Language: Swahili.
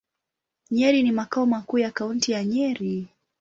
Nyeri ni makao makuu ya Kaunti ya Nyeri.